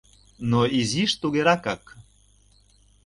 Но изиш тугеракак...